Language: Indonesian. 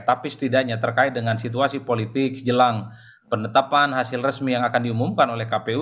tapi setidaknya terkait dengan situasi politik jelang penetapan hasil resmi yang akan diumumkan oleh kpu